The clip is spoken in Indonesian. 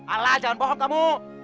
alah jangan bohong kamu